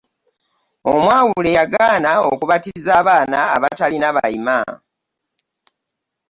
Omwawule yagaana okubatiza abaana abatalina bayima.